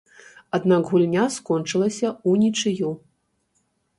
Аднак гульня скончылася ўнічыю.